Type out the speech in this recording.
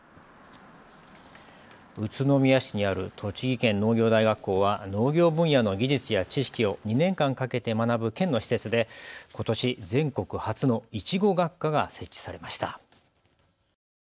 宇都宮市にある栃木県農業大学校は農業分野の技術や知識を２年間かけて学ぶ県の施設でことし全国初のいちご学科が設置されました。